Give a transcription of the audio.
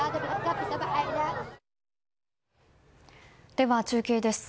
では、中継です。